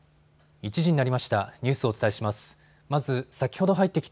１時になりました。